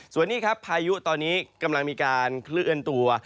ส่วนนี้ครับพายุตอนนี้กำลังมีการเคลื่อนตัว